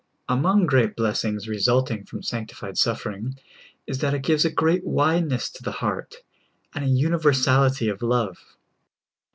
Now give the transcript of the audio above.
Among great blessings resulting from sanctified suffering, \s that it gives a great zvidencss to the heart, and a universality of love.